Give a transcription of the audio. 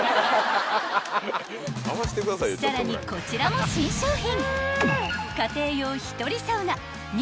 ［さらにこちらも新商品］